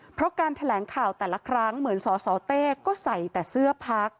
เพราะการแถลงข่าวแต่ละครั้งเหมือนสสเต้ก็ใส่แต่เสื้อพัก